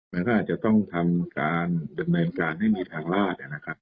มันก็อาจจะต้องทำการดำเนินการให้มีทางลาดนะครับ